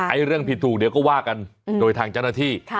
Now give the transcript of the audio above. เรื่องผิดถูกเดี๋ยวก็ว่ากันโดยทางเจ้าหน้าที่